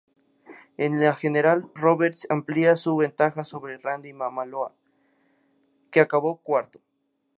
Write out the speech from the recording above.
En la general, Roberts amplía su ventaja sobre Randy Mamola, que acabó cuarto.